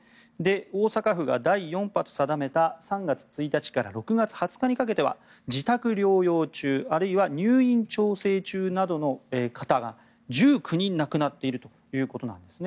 大阪府が第４波と定めた３月１日から６月２０日にかけては自宅療養中、あるいは入院調整中などの方が１９人亡くなっているということなんですね。